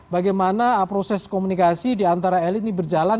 bagaimana proses komunikasi diantara elit ini berjalan